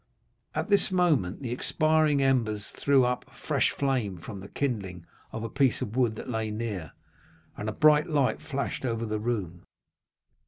"At this moment the expiring embers threw up a fresh flame from the kindling of a piece of wood that lay near, and a bright light flashed over the room.